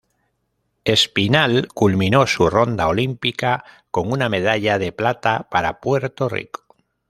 Espinal culminó su ronda olímpica con una medalla de plata para Puerto Rico.